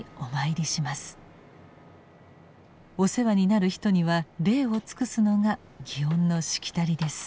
お世話になる人には礼を尽くすのが祇園のしきたりです。